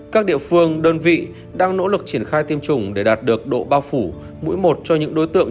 các địa phương đơn vị đang nỗ lực triển khai tiêm chủng để đạt được độ bao phủ mũi một cho những đối tượng